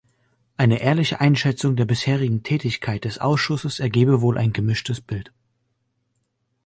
Eine ehrliche Einschätzung der bisherigen Tätigkeit des Ausschusses ergäbe wohl ein gemischtes Bild.